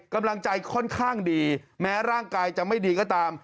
กำลังใจค่อนข้างดีแม้ร่างกายจะไม่ดีก็ตาม